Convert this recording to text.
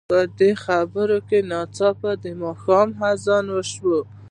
په دې خبرو کې ناڅاپه د ماښام اذان وشو.